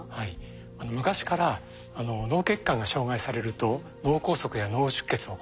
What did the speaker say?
昔から脳血管が障害されると脳梗塞や脳出血を起こすと。